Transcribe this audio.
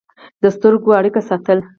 د سترګو اړیکه ساتل